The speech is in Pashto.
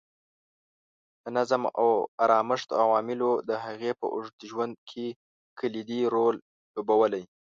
د نظم او ارامښت عواملو د هغې په اوږد ژوند کې کلیدي رول لوبولی.